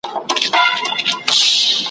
وران دے زما د زړۀ د موسم مات یم